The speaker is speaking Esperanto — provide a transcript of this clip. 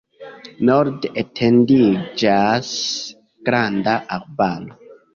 Norde etendiĝas granda arbaro.